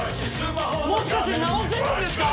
もしかして直せるんですか？